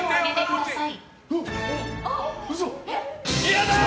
やったー！